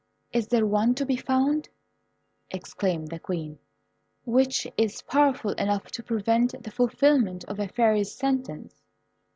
"Is there one to be found," exclaimed the Queen, "which is powerful enough to prevent the fulfilment of a Fairy's sentence?"